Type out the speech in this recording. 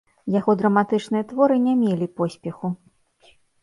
Яго драматычныя творы не мелі поспеху.